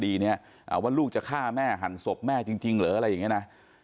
ว่าลูกจะฆ่าแม่หั่นศพแม่จริงเหรออะไรอย่างนี้นะ